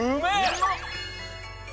うまっ！